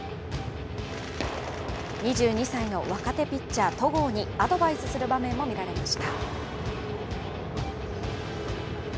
２２歳の若手ピッチャー・戸郷にアドバイスする場面も見られました。